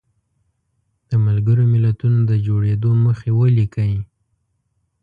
د ملګرو ملتونو د جوړېدو موخې ولیکئ.